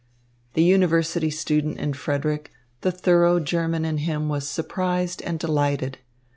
The university student in Frederick, the thorough German in him was surprised and delighted.